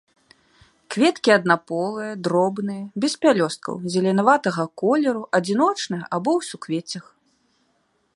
Кветкі аднаполыя, дробныя, без пялёсткаў, зеленаватага колеру, адзіночныя або ў суквеццях.